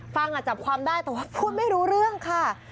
ฟังจับความได้แต่ว่าพูดไม่รู้เรื่องค่ะ